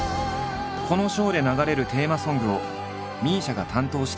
このショーで流れるテーマソングをＭＩＳＩＡが担当しているのだ。